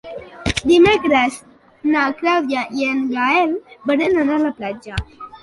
Dimecres na Clàudia i en Gaël volen anar a la platja.